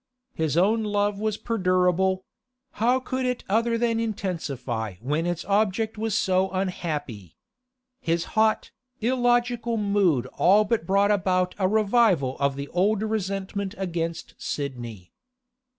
His own love was perdurable; how could it other than intensify when its object was so unhappy? His hot, illogical mood all but brought about a revival of the old resentment against Sidney.